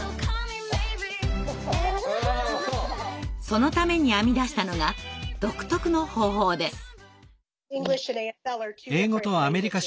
そのために編み出したのが独特の方法です。